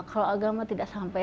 kalau agama tidak sampai